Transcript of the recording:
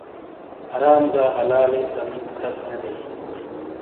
حرام گہ حلالئیی تمیز کھس نے بئیی۔